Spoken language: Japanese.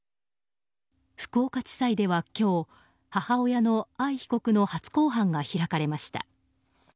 福岡地裁では今日母親の藍被告の初公判が開かれました。